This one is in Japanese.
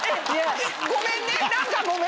ごめんね。